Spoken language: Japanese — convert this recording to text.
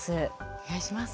お願いします。